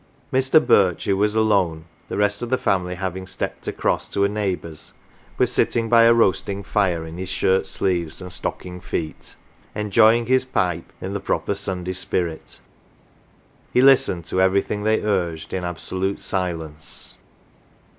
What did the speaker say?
Mr. Birch, who was alone, the rest of the family having " stepped across " to a neighbour's, was sitting by a roasting fire in his shirt sleeves and " stocking feet " enjoying his pipe in the proper Sunday spirit. He listened to everything they urged in absolute silence.